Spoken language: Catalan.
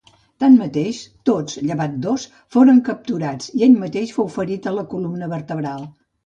Tanmateix, tots llevat dos foren capturats i ell mateix fou ferit a la columna vertebral.